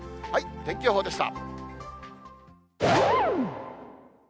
天気予報でした。